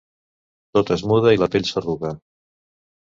Tot es muda i la pell s'arruga.